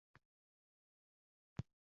— Yaʼni, siz harbiylar oilasidansiz?